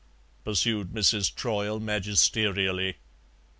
pursued Mrs. Troyle magisterially.